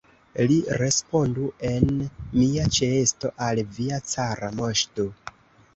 Li respondu en mia ĉeesto al via cara moŝto!